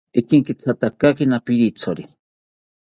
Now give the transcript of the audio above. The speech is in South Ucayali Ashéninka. Ikenkithatakakina pirithori